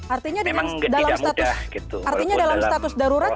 artinya dalam status darurat ini